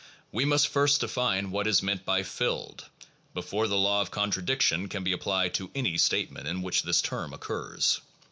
We must first define what is meant by 'filled,' before the law of contradiction can be applied to any statement in which this term occurs.